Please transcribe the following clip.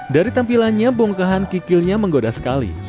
dari tampilannya bongkahan kikilnya menggoda sekali